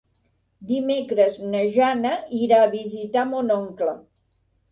Dimecres na Jana irà a visitar mon oncle.